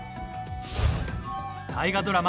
大河ドラマ